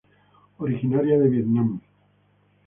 Originaria de Vietnam.